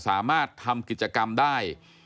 สามารถทำกิจกรรมได้